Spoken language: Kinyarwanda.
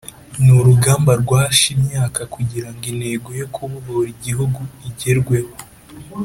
ni urugamba rwashe imyaka kugirango intego yo kubohora igihugu igerweho.